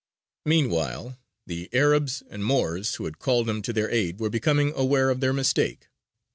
Meanwhile, the Arabs and Moors who had called him to their aid were becoming aware of their mistake.